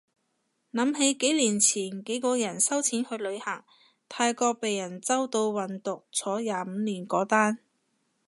諗起幾年前幾個人收錢去旅行，泰國被人周到運毒坐廿五年嗰單